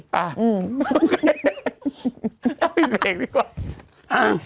ไปเบรกดีกว่า